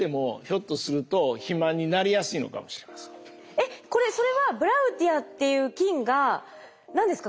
えっこれそれはブラウティアっていう菌が何ですか？